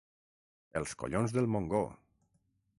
Els collons del Montgó!